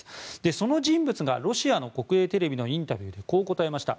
その人物がロシアの国営テレビのインタビューでこう答えました。